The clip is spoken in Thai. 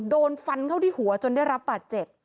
โดนฟันเข้าที่หัวจนได้รับบาดเจ็บ